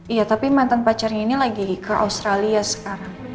iya tapi mantan pacarnya ini lagi ke australia sekarang